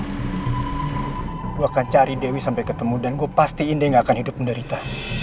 gue akan cari dewi sampai ketemu dan gue pastiin dia gak akan hidup menderita